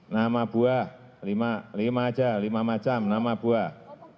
nama buah lima aja lima macam nama buah